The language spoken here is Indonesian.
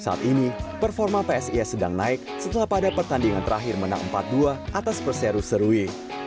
saat ini performa psis sedang naik setelah pada pertandingan terakhir menang empat dua atas perseru serui